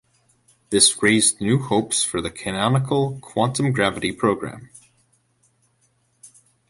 This raised new hopes for the canonical quantum gravity programme.